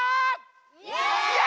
イエイ！